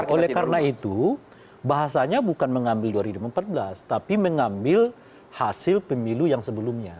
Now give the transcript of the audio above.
oleh karena itu bahasanya bukan mengambil dua ribu empat belas tapi mengambil hasil pemilu yang sebelumnya